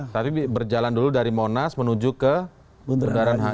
tapi berjalan dulu dari monas menuju ke bundaran hi